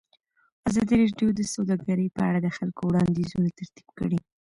ازادي راډیو د سوداګري په اړه د خلکو وړاندیزونه ترتیب کړي.